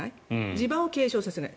地盤を継承させない。